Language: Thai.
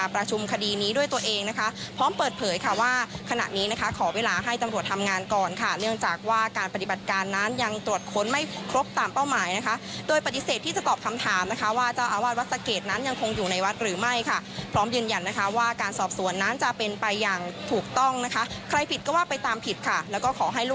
คดีนี้ด้วยตัวเองนะคะพร้อมเปิดเผยค่ะว่าขณะนี้นะคะขอเวลาให้ตำรวจทำงานก่อนค่ะเนื่องจากว่าการปฏิบัติการนั้นยังตรวจค้นไม่ครบตามเป้าหมายนะคะโดยปฏิเสธที่จะตอบคำถามนะคะว่าเจ้าอาวาสวัดสะเกดนั้นยังคงอยู่ในวัดหรือไม่ค่ะพร้อมยืนยันนะคะว่าการสอบสวนนั้นจะเป็นไปอย่างถูกต้องนะคะใครผิดก็ว่าไปตามผิดค่ะแล้วก็ขอให้ลูก